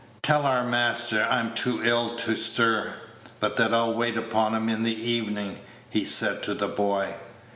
"Tell your master I'm too ill to stir, but that I'll wait upon him in the evening," he said to the boy.